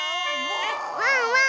ワンワン